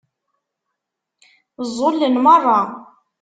Ẓẓulen meṛṛa.